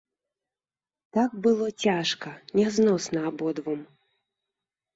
Так было цяжка, нязносна абодвум.